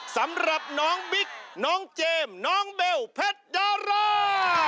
สำหรับน้องบิ๊กน้องเจมส์น้องเบลเพชรดารา